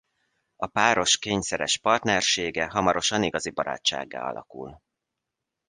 A páros kényszeres partnersége hamarosan igazi barátsággá alakul.